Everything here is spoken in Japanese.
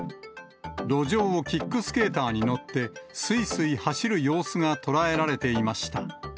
路上をキックスケーターに乗って、すいすい走る様子が捉えられていました。